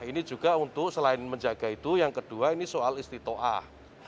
ini juga untuk selain menjaga itu yang kedua ini soal istitoah